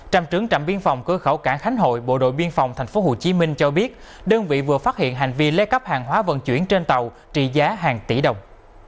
trạm trưởng trạm biên phòng cơ khẩu cảng khánh hội bộ đội biên phòng tp hcm cho biết đơn vị vừa phát hiện hành vi lấy cắp hàng hóa vận chuyển trên tàu trị giá hàng tỷ đồng